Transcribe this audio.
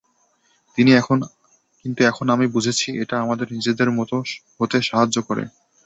কিন্তু এখন আমি বুঝেছি, এটা আমাদের নিজেদের মতো হতে সাহায্য করে।